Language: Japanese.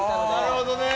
なるほどね。